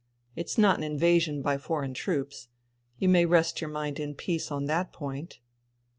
It's not an invasion by foreign troops. You may rest your mind in peace on that point."